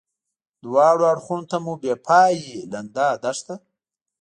دواړه اړخو ته مو بې پایې لنده دښته.